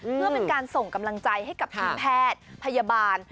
เพื่อเป็นการส่งกำลังใจให้กับทีมแพทย์พยาบาล